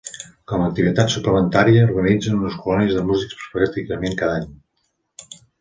Com a activitat suplementària, organitzen unes colònies de músics pràcticament cada any.